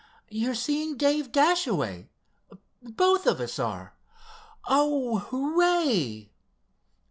"You're seeing Dave Dashaway. Both of us are. Oh, hooray!"